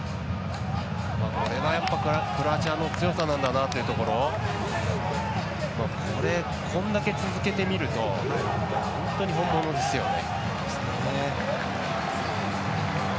これは、やっぱクロアチアの強さなんだなというところをこれだけ続けてみると本当に本物ですよね。